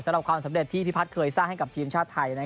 สำหรับความสำเร็จที่พี่พัฒน์เคยสร้างให้กับทีมชาติไทย